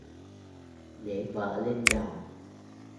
Để vợ lên đầu